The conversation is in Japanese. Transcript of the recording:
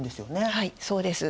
はいそうです。